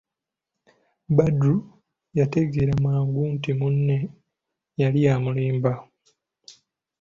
Badru yategeera mangu nti munne yali amulimba.